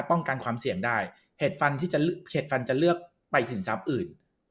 ป้องกันความเสี่ยงได้เหตุฟันที่จะเห็ดฟันจะเลือกไปสินทรัพย์อื่น